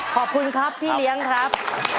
ขอบคุณครับพี่เลี้ยงครับ